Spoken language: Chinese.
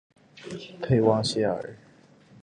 佩旺谢尔。